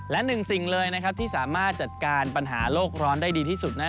และหนึ่งสิ่งเลยนะครับที่สามารถจัดการปัญหาโลกร้อนได้ดีที่สุด